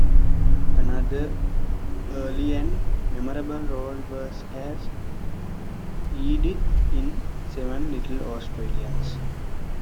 Another early and memorable role was as Aldith in "Seven Little Australians".